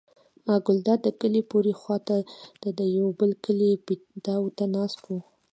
ګلداد د کلي پورې خوا ته د یوه بل کلي پیتاوي ته ناست و.